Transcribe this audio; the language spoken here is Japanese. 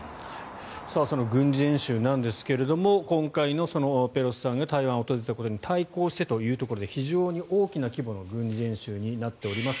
その軍事演習なんですが今回のペロシさんが台湾を訪れたことに対して対抗してということで非常に大きな規模の軍事演習になっています。